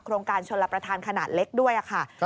โรงการชนรับประทานขนาดเล็กด้วยค่ะ